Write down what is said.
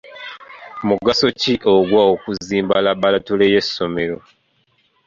Mugaso ki ogw'okuzimba labalatole y'essomero?